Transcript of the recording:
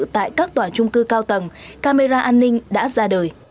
tại các tòa trung cư cao tầng camera an ninh đã ra đời